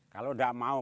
kalau tidak mau